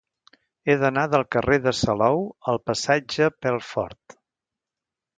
He d'anar del carrer de Salou al passatge Pelfort.